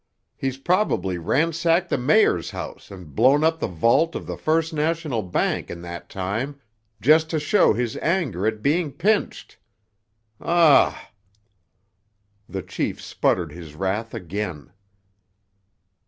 He's probably ransacked the mayor's house and blown up the vault of the First National Bank in that time, just to show his anger at being pinched. Ah h!" The chief sputtered his wrath again.